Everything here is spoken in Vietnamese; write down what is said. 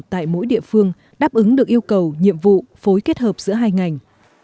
tại mỗi địa phương đáp ứng được yêu cầu nhiệm vụ phối kết hợp giữa hai ngành